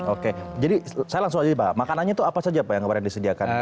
oke jadi saya langsung aja pak makanannya itu apa saja pak yang kemarin disediakan